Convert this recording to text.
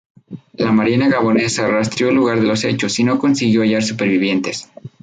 La Marina Gabonesa rastreó el lugar de los hechos y no consiguió hallar supervivientes.